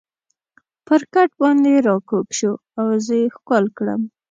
پر کټ باندې را کږ شو او زه یې ښکل کړم.